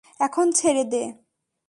এখন ছেড়ে দে।